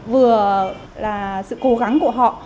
vừa là sự cố gắng của họ